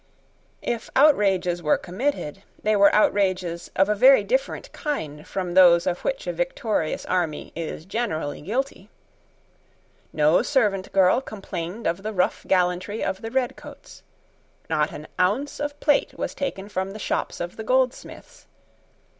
If outrages were committed, they were outrages of a very different kind from those of which a victorious army is generally guilty. No servant girl complained of the rough gallantry of the redcoats. Not an ounce of plate was taken from the shops of the goldsmiths.